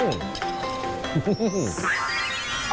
อืม